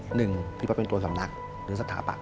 หนึ่งพี่ว่าเป็นตัวสำนักหรือสถาปัต